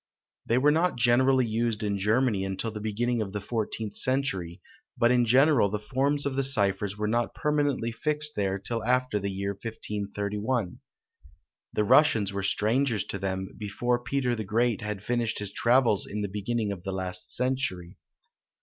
They were not generally used in Germany until the beginning of the fourteenth century; but in general the forms of the ciphers were not permanently fixed there till after the year 1531. The Russians were strangers to them, before Peter the Great had finished his travels in the beginning of the last century.